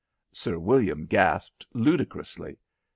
Sir William gasped ludicrously.